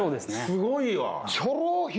すごいわ。